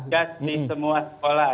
satgas di semua sekolah